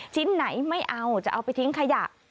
ชิ้นไหนไม่เอาจะเอาไปทิ้งขยะ